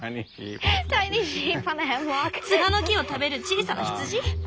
ツガの木を食べる小さな羊？